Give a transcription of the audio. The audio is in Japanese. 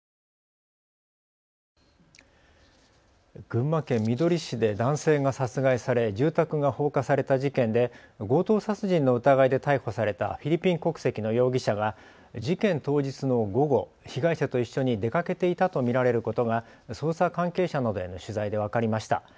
群馬県みどり市で男性が殺害され住宅が放火された事件で強盗殺人の疑いで逮捕されたフィリピン国籍の容疑者が事件当日の午後、被害者と一緒に出かけていたと見られることが捜査関係者などへの取材で分かりました。